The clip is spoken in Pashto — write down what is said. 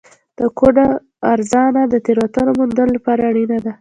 د کوډ ارزونه د تېروتنو موندلو لپاره اړینه ده.